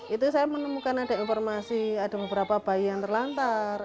itu saya menemukan ada informasi ada beberapa bayi yang terlantar